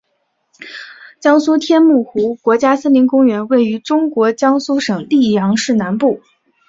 江苏天目湖国家森林公园位于中国江苏省溧阳市南部。